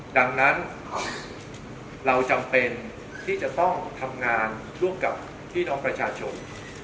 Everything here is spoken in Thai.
ดังนั้นเราจำเป็นที่จะต้องทำงานร่วมกับพี่น้องประชาชน